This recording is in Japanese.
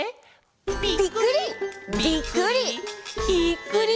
「ぴっくり！